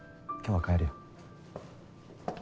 今日は帰るよ。